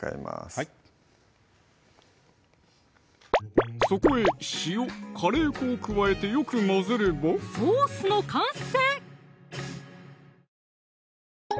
はいそこへ塩・カレー粉を加えてよく混ぜればソースの完成！